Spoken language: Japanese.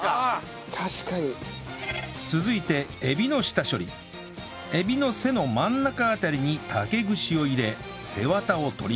続いてエビの下処理エビの背の真ん中辺りに竹串を入れ背ワタを取ります